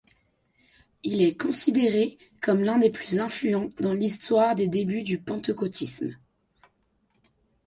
Il est considéré comme l'un des plus influents dans l'histoire des débuts du Pentecôtisme.